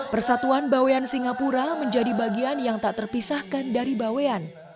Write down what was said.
persatuan bawean singapura menjadi bagian yang tak terpisahkan dari bawean